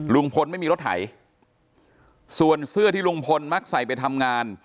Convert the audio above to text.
ลุงพลไม่มีรถไถส่วนเสื้อที่ลุงพลมักใส่ไปทำงาน